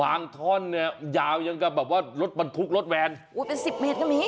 ท่อนเนี่ยยาวยังกับแบบว่ารถบรรทุกรถแวนอุ้ยเป็นสิบเมตรก็มี